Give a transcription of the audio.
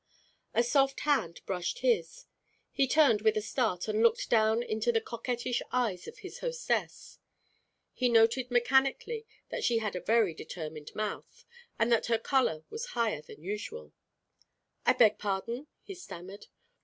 A soft hand brushed his. He turned with a start and looked down into the coquettish eyes of his hostess. He noted mechanically that she had a very determined mouth, and that her colour was higher than usual. "I beg pardon?" he stammered.